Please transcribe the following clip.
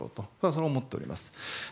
それは思っております。